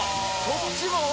そっちも？